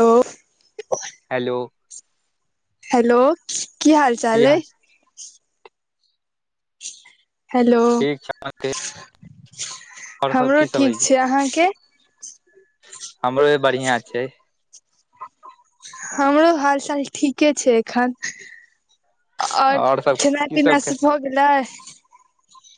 hello hello hello की हाल चाल अइ [unintelligible] ठीक छै आहा के हमरो ठीक छै अहाँके हमरो बढ़ियां छै हमरो हालचाल ठीके छै एखन और आओर सब खेना की पीना खे सब भ गेलै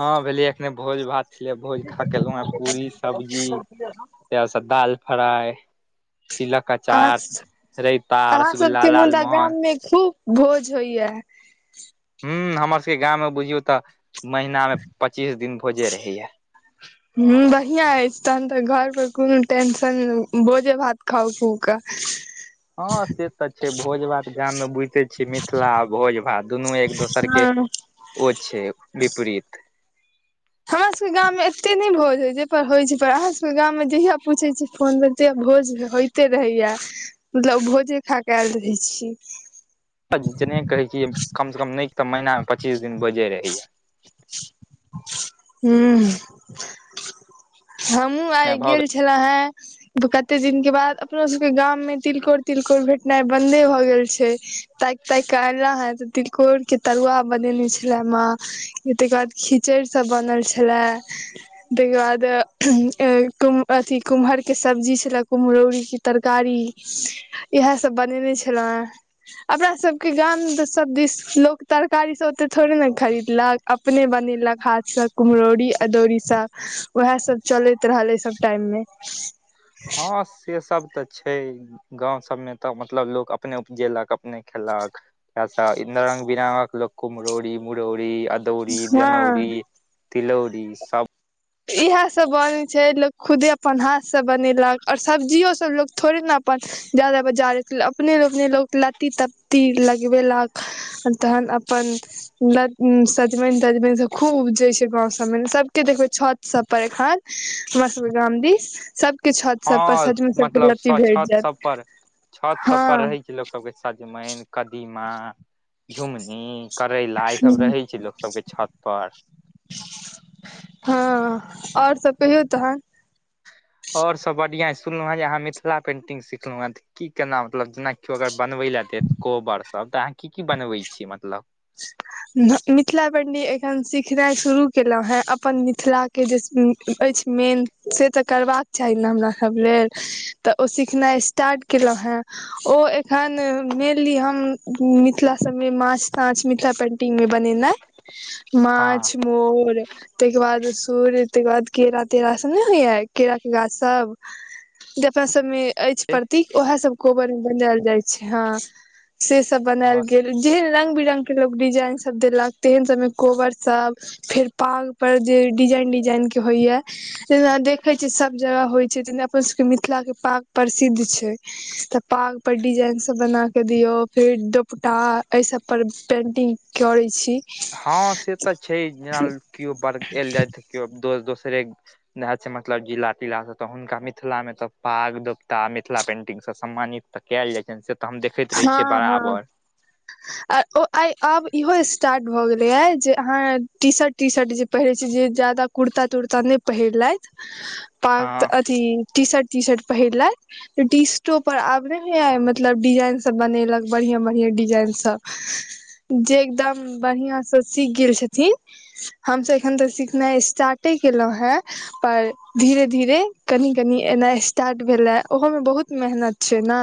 हँ भेलैया अखने भोज भात छलै भोज खा कलहु हे पूरी सब्जी सेहे सब दाल फ्राई तिलक अहाँ अचार रैता अहाँ रसगुल्ला सबके मुदा लालमोहन गाम मे खूब भोज होइया हूं हमर सबके गांम में बुझियौ तऽ महीना में पच्चीस दिन भोजे रहेया हूं बढ़िआं अछि तहन तऽ घर पर कोनो टेंशन भोजे भात खाउ खुबक [inaudible] हँ से तऽ छै भोज भात गाम मे बुझिते छियै मिथिला आ भोज भात दुनू एक दोसर के हँ ओ छै विपरीत हमरा सबके गामव मे एते नहि भोज होय छै पर होइ छै पर अहाँ सभके गामं जहिया पूछैत छी फोन में तहिया भोज होइते रहैया मतलब भोजे खा कऽ आयल रहै छी जेनेह कहे छी कम से कम नै तऽ महीना मे पच्चीस दिन भोजे रहैया हूं हूं हमहुँ आइ गेल छलौं हे कते दिन के बाद अपना सब के गाम में तिलकोर तिलकोर भेटनाई बंदे भए गेल छै ता तैक अला हैं त तिलकोर के तरुआ बनेने छला मां तकर बाद खिचैड़ सब बनल छले ताहिके बाद अथी कुम्हर के सब्जी छले कुम्हरौरी तरकारी इएहसभ बनेने छलहुँ हे अपना सबके गाम सब दिस लोक तर कारी सब ओते थोड़े ने खरीदलक अपने बनेलक हाथसँ कुम्हरौरी अदौरी सभ उएह सभ चलैत रहलै उ सभ टाईम मे हँ से सब तऽ छै गांव सब में तऽ मतलब लोक अपने उपजेलक अपने खेलक य रंग बिरंगक लोक कुम्हरौरी मुरौरी अ दौरी हँ जनौरी तिलौरी सब इएहसभ बनै छै लोक खुदे अपन हाथसँ बनेलक आओर सब्जियो सभ लोक थोड़े ने अपन ज्यादा बजार अपने अपने लोक लत्ती तत्ती लगबेलक तहन अपन सजमनि तजमनि सब खूब उपजे छै गाँव सबमे सबके देखबै छत सबपर एखन हमर सब के गाम दीस सब किछु छत सब पर हँ सचमैन सबके मतलब लत्ती भेट छत जायत सब पर छत सब पर हँ रहै लोक सबके सजमनि कदीमा झुमनी करैला ई सब रहे छै लोक सब के छत पर हँ आओर सब कहियौ तहन और सब बढ़िया सुनलौ हँ जे आहाँ मिथिला पेंटिंग सिखलौंहा की केना मतलब जेनाकिओ अगर बनबै लए दे कोबरसभ तऽ अहाँ की की बनबै छियै मतलब मिथिला पेन्टिंग एखन सिखनाइ शुरू केलहुँ हे अपन मिथिलाक के जे अछि मेन से तऽ करबाक चाही ने हमरा सब लेल तऽ ओ सिखनाइ स्टार्ट केलहुँ हे ओ एखन मेन ली हम मिथिला सभमे माछ ताछ मिथिला पेन् टिंग मे बनेनाइ हँ माछ मोर ताहिके बाद सूर्य ताहिके बाद केरा तेरा सभ नहि होइए केराके गाछसभ जे अपना सम मे अछि प्रतीक उएहे सब कोबर मे बनायल जाय छै हँ से सब बनायल हँ गेल जेहन रंग बिरंग के लोग डिजाइन सब देलक तेहन सबमे कोबर सब फेर पागपर जे डिजाईन डिजाईनके होइए जेना देखे छ सब जगह होइ छै तेना अपन सबके मिथिला के पाग प्रसिद्ध छै तऽ पाग पर डिजाईन सब बना क दियौ फेर दोपटा एहि सब पर पेंटिंग करै छी हँ से तऽ छै जेना केओ बड़ एलैथ केओ दोस्त दोसरे न छै मतलब जिला तिला से त हुनका मिथिलां तऽ पाग दोपता मिथिला पेंटिंग से सम्मानित तऽ कयल जाइ छैन से तऽ हम देखैत रहै हँ छियै हँ बराबर आ आइ आब इहो स्टार्ट भऽ गेलैए जे अहाँ टी शर्ट टी शर्ट जे पहिरैत छी जे ज्यादा कुर्ता तुड़ता नहि पहिरलयथ [inaudible] त [unintelligible] अथी टीशर्ट तीशर्ट पहिरलैत से टीशर्टो पर आब नैहोया मतलब डिजाइन सब बनेलक बढ़िऑं बढ़िआं डिजाइन सब जे एकदम बढ़िया स सीख गेल छथिन हम सब एखन तऽ सिखनाइ स्टार्टे केलहुं हे पर धीरे धीरे कनि कनि एना स्टार्ट भेले ओहो में बहुत मेहनत छै ने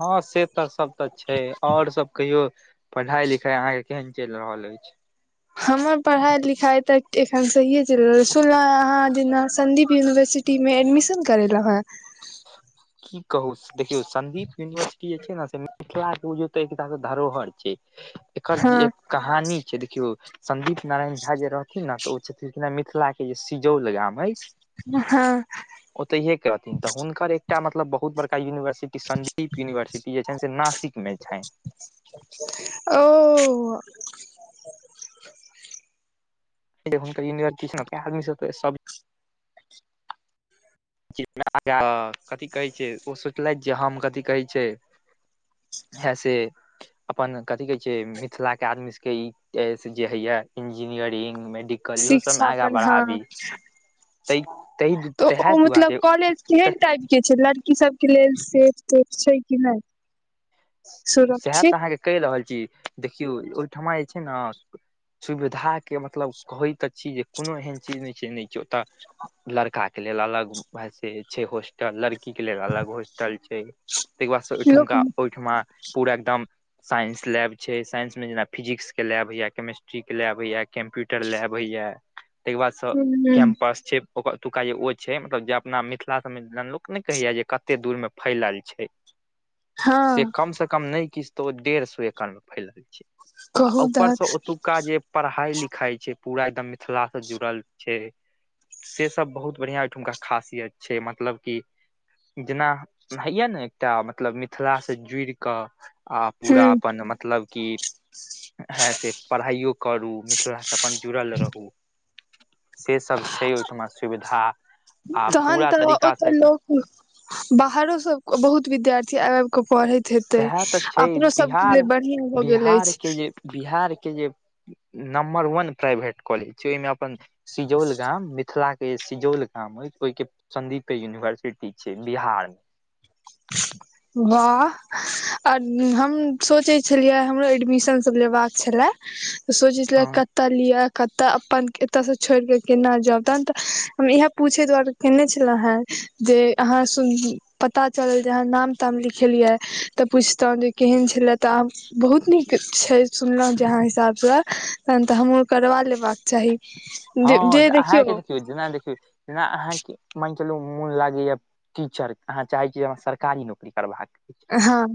हँ से तऽ सब तऽ छै आओर सब कहियो पढ़ाई लिखाई अहाँके केहन चलि रहल अछि हमर पढ़ाई लिखाइ तऽ एखन सहिए चलि रहल सुनलहुँ अहाँ जेना संदीप यूनिवर्सिटी टी मे एडमिशन करेेलौं हे [inaudible] की कहु देखियौ संदीप यूनिवर्सिटी जे छै न से मिथिला बुझ तो एक धरोहर छै एकर जे हँ एक कहानी छै देखियौ संदीप नारायण झा जे रहथिन न तऽ ओ छथिन मिथिलाक के जे सिजौल गाम अछि हँ ओतहिये के रहथिन तऽ हुनकर एकटा मतलब बहुत बड़का यूनिवर्सिटी संदीप यूनिवर्सिटी जे छै से नासिक मे छैन ओ नक यनिर्द [unintelligible] मी सब च आ [unintelligible] कथि कहै छै ओ सोचलथि जे हम कथि कहै छै है से अपन कथी कहै छै मिथिला के आदमी सबके ई जे होइए इंजीनियरिंग मेडि शिक्षा अपन हँ ताहि ताहि त तएह मतलब दुआरे कॉलेज केहन टाइप के छै लड़की सबके लेल सेफ तेफ छै कि नहि सेहे तऽ सुरक्षित अहाँके कहि रहल छी देखियौ ओहिठमा जे छै ने सुविधा के मतलब कहै त छी जे कोनो एहन चीज नहि छै ओत लड़का के लेल अलग हैस [unintelligible] छै हॉस्टल लड़की के लेल अलग हॉस्टल छै ताहि के बाद से लोक ओहिठुनका ओहिठमा पूरा एकदम साइंस लैब छै साइंसमे जेना फिजिक्सके लैब होइए केमेस्ट्रीके लैब होइया कम्प्यूटर लैब होइया तइके बाद स ह कैम्पास छै ओतुका जे ओ छै मतलब जे अपना मिथिला सब लोक ने कहैया जे कते दूर में फैलल छै से हँ कम से कम नहि किछु तो ओ डेढ़ सए एकड़ मे फैलल छै आ कहू तहन ऊपरसँ ओतुका जे पढ़ाई लिखाई छै पूरा एकदम मिथिला से जुड़ल छै से सब बहुत बढ़िआँ ओहिठुमका खासियत छै मतलब कि जेना हइया ने एकटा मतलब मि थिलासँ जुड़िकऽ आ पूरा ह अपन मतलब की ह से पढ़ाईयो करू मिथिलासँ अपन जुड़ल रहू से सब छै ओहिठमा सुविधा आ तहन पूरा तऽ तरीकाँ ओतऽ से लोक बाहरो सब बहुत विद्यार्थी आब आब केऽ पढ़े हेतै सएह तऽ छै अपनो सभके बिहार लेल बढ़िआँ भऽ गेल बिहार के अछि जे बिहार के जे नम्बर वन प्राइवेट कॉलेज छै ओहिमे अपन सिजौल गाम मिथिला के सिजौल गाम यै ओहि के संदीप के यूनिवर्सिटी छै बिहार [inaudible] वाह आ हम सोचैत छलियै हमरो एडमिशनसभ लेबाक छलए तऽ सोचै छलिया मे कऽत कतऽ लिअ कतऽ अपन एतयसँ छोड़ कऽ केना जाब तहन तऽ हम इएह पूछै दुआरे केने छेलौंहा जे अहाँ सु पता चल जे नाम ताम लिखेलियै तऽ पुछतहुँ जे केहन छलै तऽ आब बहुत नीक छै सुनलहुँ जे अहाँ हिसाबसँ तहन तऽ हमहूँ करवा लेबाक चाही हँ तऽ अहाँके देखियौ जेना देखियौ जेना अहाँके मान चलू मुन लागैया टीचर अहाँ चाहै छी जे हमरा सरकारी नौकरी करबाक हँ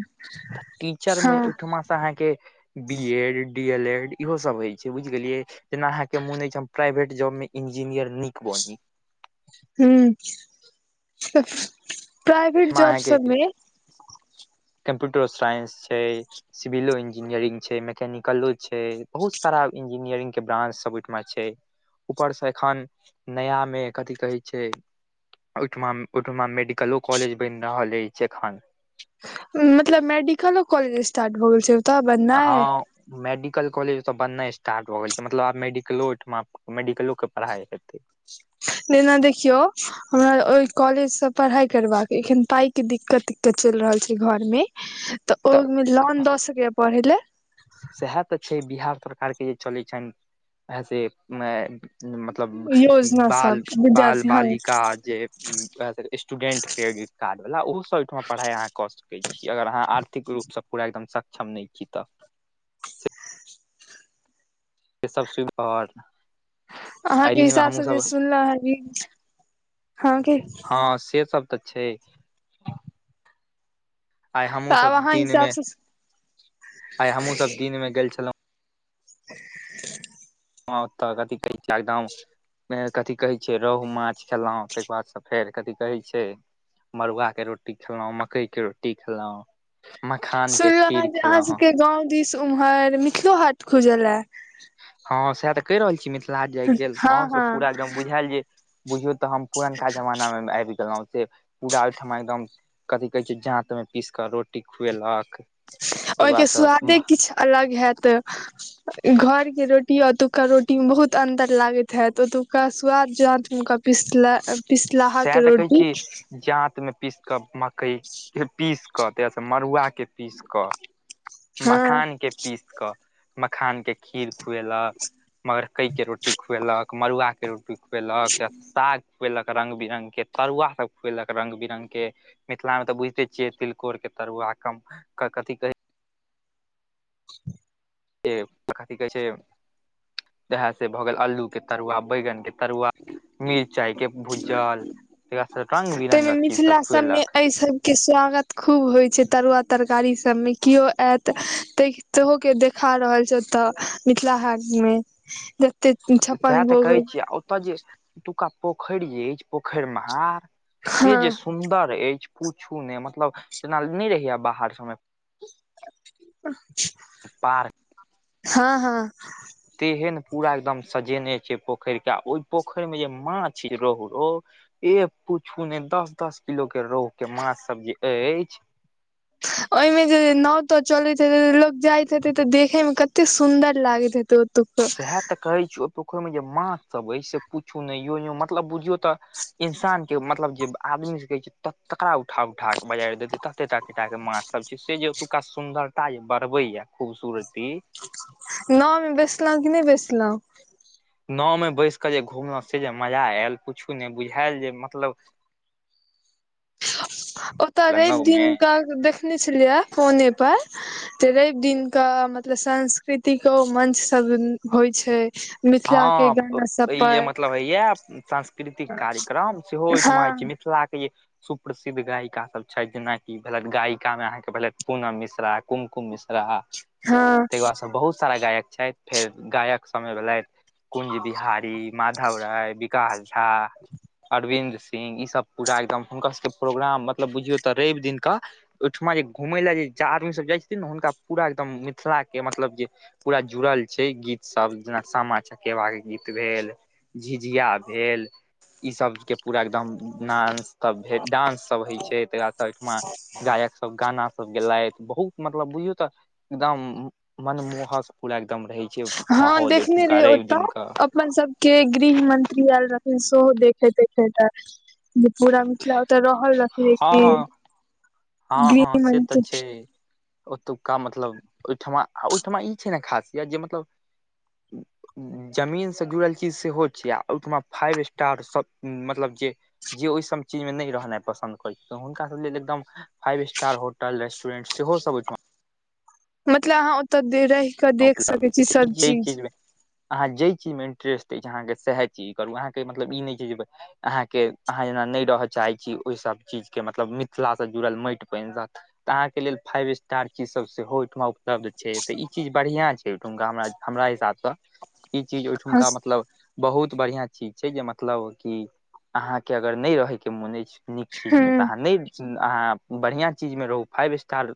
तऽ टीचर मे हँ ओइठमा सॅं अहाँके B Ed D El Ed इहो सब होय छै बुझ गेलियै जेना अहाँ के मोन अछि हम प्राइवेट जॉब मे इंजीनियर नीक बनी हूं अहाँके कम्प्यूटर साइंस छै सिविलो इंजीनियरिंग छै मैकेनिकलो छै बहुत सारा इंजीनियरिंगके ब्रांच सभ ओहिठमा छै ऊपर से एखन नया मे कथि कहै छै ओहिठमा ओहिठमा मेडिकलो कॉलेज बनि रहल अछि एखन मतलब मेडिकलो कॉलेज स्टार्ट भऽ गेल छै ओतय बननाइ हँ मेडिकल कॉलेज तऽ बननाइ स्टार्ट भ गेल छै मतलब आब मेडिकलो ओहिठमा मेडिकलो के पढ़ाइ हेतै जेना देखियौ हमरा ओहि कॉलेज स पढ़ाई करबाक अइ एखन पाइ कि दिक्कत दिक्कत चलि रहल छै घर में [inaudible] तऽ ओ में लोन दऽ सकेया पढ़े ला सएह तऽ छै बिहार सरकार के जे चलैत छनि से अ मतलब योजना बाल सब बाल विद्यार्थी हँ बालिका जे स्टूडेंट क्रेडिट कार्ड वाल्ला ओहो सब ओठमा पढ़ाई अहाँ कऽ सकैत छी अगर अहाँ आर्थिक रूपसँ पूरा एकदम सक्षम नहि छी तऽ ई सब सुबिधा और अहाँके हिसाबसँ जे सुनलौं हे ई हँ से सब तऽ छै आइ हमूँ तऽ आब सब अहाँ तिन मे हिसाबसँ आइ हमहु सब दिन में गेल छलौहुँ [unintelligible] ह तऽ कथी कहै छै एकदम कथि कहै छै रोहु माछ खेलहुँ ताहिके बाद सँ फेर कथि कहै छै मड़ुआ के रोटी खेलौं मकई के रोटी खेलौं सुनलहुँ हे जे अहाँ सबके गांव दिस उम्हर मिथिलो हाट खुजले हँ सएह तऽ कहि रहल छी मिथिलाहाट जे आइ हँ गेलौं से हँ पूरा एकदम बुझायल जे बुझियौ तऽ हम पुरनका जमाना मे आबि गेलहुँ से पूरा ओहिठमा एकदम कथि कहे छै जाँत में पीस क रोटी खुएलक ताहिके ओहिके बादसँ स्वादे किछ अलग हेऽत घर के रोटी ओतुका रोटी मे बहुत अंतर लागैत हैैत ओतुका स्वाद ज हुनका पिसला पिसलाहाके रोटी जात में पीस क मकई के पीस क त से मड़ुआ के पीस क हँ मखान के पीस कऽ मखान के खीर खुएलक मकइके रोटी खुएलक मड़ुआके रोटी खुएलक त साग खुएलक रंग बिरंग के तरुआ सभ खुएलक रंग बिरंग के मिथिला मे तऽ बुझते छियै तिलकोर के तरुआ कम कथि कहै कथि कहै छै इह से भ गेल अलू के तरुआ बैगन के तरुआ मिरचाई के भूजल एकरा सा रंग बिरंगक चीज सब खुएलक के स्वागत खूब होइ छै तरुआ तरकारी सबमे केओ आयत ताहि सेहो के देखा रहल छैथ तऽ मिथिला हाट मे त सएह छप्पन तऽ भोग कहै छियै आ ओतय जे एतुका पोखरि जे अछि पोखरि महार से हँ जे सुन्दर अछि पूछू नहि मतलब जेना नहि रहैया बाहर समे पार्क हँ हँ तेहन पूरा एकदम सजेने छै पोखरि के आ ओहि पोखरि में जे माछ रोहु रो ए पूछू ने दस दस किलो के रोहु के माछ सब जे अछि ओहिमे जे नाव ताव चलैत हेतै लोक जाइत हेते तऽ देखे मे कते सुन्दर लागैत हेतै सएह तऽ कहैत छी ओहि पोखरिमे जे माछ सभ अछि से पूछू नहि यों यों मतलब बुझियौ तऽ इंसान के मतलब जे आदमी से कह छै तकरा उठा उठा के बजाइर देतै तते तत ततेटा के माछ सब छै से जे ओतुका सुन्दरता जे बढ़बे या खूबसूरती नाॅव में बैसलौ कि नहि बैसलौ नावमे बैस कऽ जे घुमलौ से जे मजा आयल पुछु नहि बुझायल जे मतलब ओतय रवि नाव मे दिनक देखने छलियए फोने पर त रवि दिन क मतलब सांस्कृतिको मंच सब होइ छै मिथिला के हँ गाना सब ई पर जे मतलब हइ या सांस्कृतिक कार्यक्रम सेहो ओहिठमा हँ होइ छै मिथिलाके जे सुप्रसिद्ध गायिका सब छै जेनाकि भेलथि गायिका मे अहाँके भेलथि पूनम मिश्रा कुमकुम मिश्रा हँ ताहिके बादसँ बहुत सारा गायक छथि फेर गायक समय भेलथि कुंज बिहारी माधव राय विकास झा अरविन्दं ई सब पूरा एकदम हुनका सबके प्रोग्राम मतलब बुझियौ तऽ रवि दिन क ओहिठमा जे घुमय लए जे आदमीसभ जाइ छथिन ने हुनका पूरा एकदम मिथिला के मतलब जे पूरा जुड़ल छै गीत सब जेना सामा चकेबाके गीत भेल झिझिया भेल ई सब के पूरा एकदम डांस सब भेल डांस सब होइ छै तै के बाद ओइठमा गायक सब गाना सब गेलथि बहुत मतलब बुझौ तऽ एकदम मनमोहक पूरा एकदम रहै छै माहौल ओइठमा से ओतऽ अपन सबके गृह मंत्री आयल रहथिन सेहो देखैत देखैत ले जे पूरा मिथिला ओतऽ रहल रहथिन एक हँ दिन हँ हँ से तऽ गृहमंत्री छै ओतुका मतलब ओहिठमा ओहिठमा ई छै ने खासियत जे मतलब ह जमीनसँ जुड़ल चीज सेहो छैय आ ओहिठमा फाइव स्टार सब मतलब जे जे ओहिसभ चीजमे नहि रहनाइ पसन्द करैत छै त हुनकासभ लेल एकदम फाइव स्टार होटल रेस्टोरेट सेहो सब मतलब अहाँ ओतऽ रहि कऽ देख उपलब्ध सकैत छै छी तऽ ई सभ जे चीज मे अहाँ जै चीज मे इंटरेस्ट अछि अहाँके सएह चीज करू अहाँके मतलब ई नहि छै जे अहाँके अहाँ जेना नहि रहय चाहैत छी ओहिसभ चीजके मतलब मिथिलासँ जुड़ल माटि बनि जात तऽ अहाँके लेल फाइव स्टार की सब सेहो ओहिठमा उपलब्ध छै तऽ ई चीज बढ़िआँ छै ओहिठुमका हम हमरा हिसाबसँ ई चीज ओहिठुमका मतलब बहुत बढ़िया चीज छै जे मतलब कि अहाँके अगर नहि रहे के मोन अछि नीक चीज मे तऽ हँ अहाँ नहि अहाँ बढ़िया चीज मे रहू फाइव स्टार